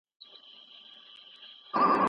ستا نصیحت مي له کرداره سره نه جوړیږي